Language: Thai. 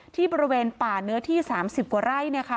ที่บริเวณป่าเนื้อที่๓๐กว่าไร่